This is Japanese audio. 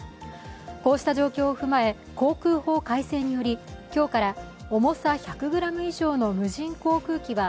こうした状況を踏まえ航空法改正により今日から重さ１００ｇ以上の無人航空機は